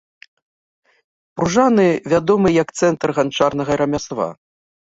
Пружаны вядомы як цэнтр ганчарнага рамяства.